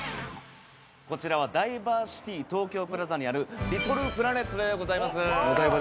こちらはダイバーシティ東京プラザにあるリトルプラネットでございます。